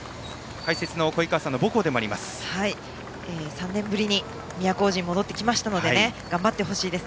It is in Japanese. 解説の鯉川さんの母校でもあります。